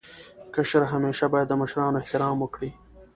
کشر همېشه باید د مشرانو احترام وکړي.